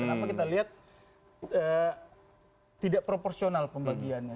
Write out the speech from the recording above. kenapa kita lihat tidak proporsional pembagiannya